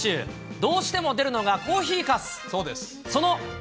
どうしても出るのがコーヒーかす。